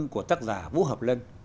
của tác giả vũ hợp lân